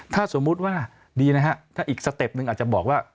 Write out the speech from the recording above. ถ้าสมมุติว่าดีนะฮะถ้าอีกสเต็ปหนึ่งอาจจะบอกว่า